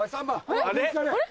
あれ？